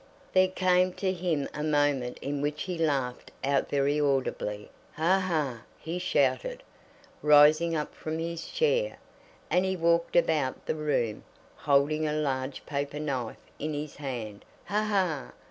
There came to him a moment in which he laughed out very audibly. "Ha! ha!" he shouted, rising up from his chair, and he walked about the room, holding a large paper knife in his hand. "Ha! ha!"